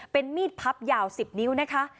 เป็นมีดพับยาว๑๐นิ้วนะคะ